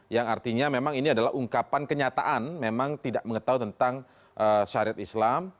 yang artinya memang ini adalah ungkapan kenyataan memang tidak mengetahui tentang syariat islam